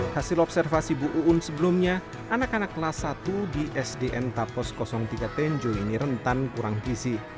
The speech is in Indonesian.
hasil observasi bu uun sebelumnya anak anak kelas satu di sdn tapos tiga tenjo ini rentan kurang gizi